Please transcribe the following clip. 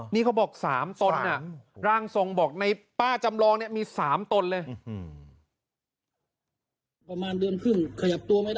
นี่เขาบอก๓ตนร่างทรงบอกในป้าจำลองเนี่ยมี๓ตนเลย